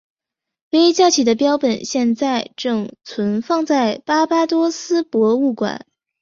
唯一架起的标本现正存放在巴巴多斯博物馆。